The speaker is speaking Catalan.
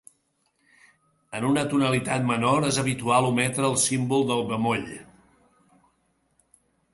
En una tonalitat menor és habitual ometre el símbol del bemoll.